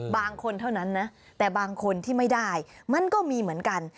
บางคนเท่านั้นนะแต่บางคนที่ไม่ได้มันก็มีเหมือนกัน